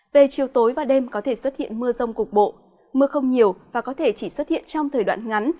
về chiều tối và đêm có thể xuất hiện mưa rông cục bộ mưa không nhiều và có thể chỉ xuất hiện trong thời đoạn ngắn